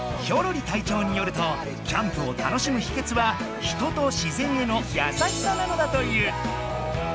ひょろり隊長によるとキャンプを楽しむひけつは人と自然への「やさしさ」なのだという。